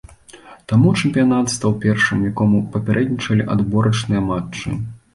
Таму чэмпіянат стаў першым, якому папярэднічалі адборачныя матчы.